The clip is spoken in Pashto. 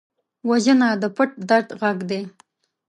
وژنه د پټ درد غږ دی